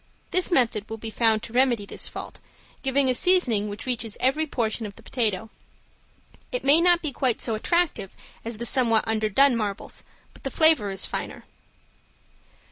This method will be found to remedy this fault, giving a seasoning which reaches every portion of the potato. It may not be quite so attractive as the somewhat underdone marbles, but the flavor is finer.